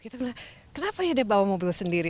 kita bilang kenapa ya dia bawa mobil sendiri